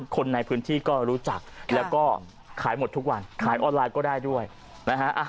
คนในพื้นที่ก็รู้จักแล้วก็ขายหมดทุกวันขายออนไลน์ก็ได้ด้วยนะฮะ